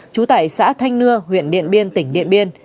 chú tải xã thanh nưa huyện điện biên tỉnh điện biên